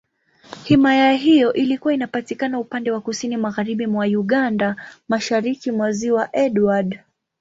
Himaya hiyo ilikuwa inapatikana upande wa Kusini Magharibi mwa Uganda, Mashariki mwa Ziwa Edward.